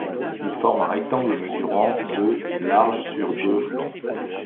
Il forme un rectangle mesurant de large sur de long.